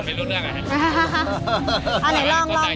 โอเคและคุณรู้สึกว่ารอยกระทุ่มมั้ย